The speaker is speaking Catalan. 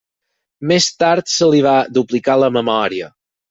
Més tard se li va duplicar la memòria.